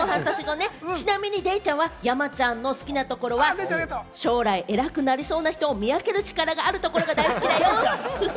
ちなみにデイちゃんは山ちゃんの好きなところは将来偉くなりそうな人を見分けるところが大好きなところだよ。